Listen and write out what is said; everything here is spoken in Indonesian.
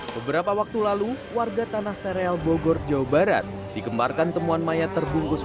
beberapa waktu lalu warga tanah sereal bogor jawa barat dikembarkan temuan mayat terbungkus